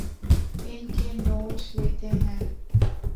ان کے نوٹ لیتے ہیں